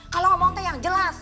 kalau ngomong tuh yang jelas